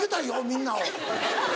みんなを。